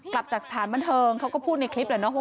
กลับจากสถานบันเทิงเขาก็พูดในคลิปแหละเนาะว่า